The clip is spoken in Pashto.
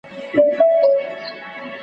چي عقل نه لري هیڅ نه لري